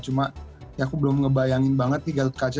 cuma ya aku belum ngebayangin banget nih gatot kaca